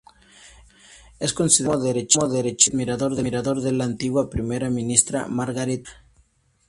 Es considerado como derechista y admirador de la antigua primera ministra Margaret Thatcher.